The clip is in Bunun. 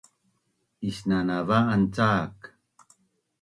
Isnanav’an cak